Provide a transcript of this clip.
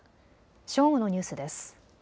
正午のニュースです。